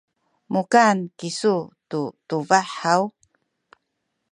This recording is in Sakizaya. mukan kisu tu tubah haw?